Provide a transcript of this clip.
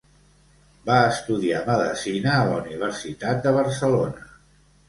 Va estudiar medecina a la Universitat de Barcelona.